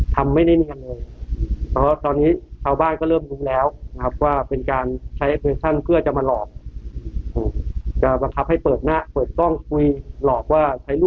ที่น้องวัฒนาชนนะครับว่าอย่าไปหลงเชื่อนะครับพวกนิชชาชีพ